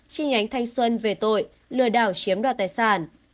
trinh ánh thanh xuân về tội lừa đảo chiếm đoạt tài sản